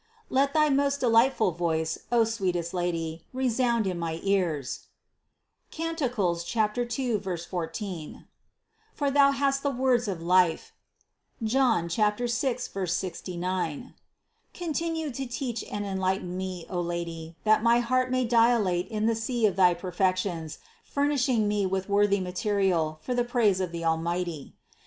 Let thy most delightful voice, O sweet est Lady, resound in my ears (Cant. 2, 14), for Thou hast the words of life (John 6, 69). Continue to teach me and enlighten me, O Lady, that my heart may dilate in the sea of thy perfections, furnishing me with worthy material for the praise of the Almighty.